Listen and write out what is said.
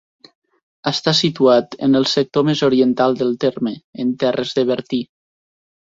Està situat en el sector més oriental del terme, en terres de Bertí.